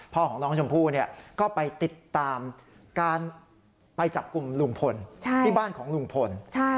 พ่อของน้องชมพู่ก็ไปติดตามการไปจับกลุ่มลุงพลที่บ้านของลุงพล